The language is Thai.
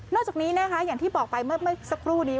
จากนี้นะคะอย่างที่บอกไปเมื่อสักครู่นี้